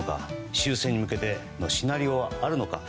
終戦に向けてのシナリオはあるのか。